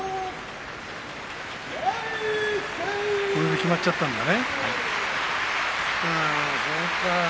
決まっちゃったんだね。